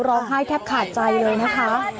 ร้องไห้แทบขาดใจเลยนะคะ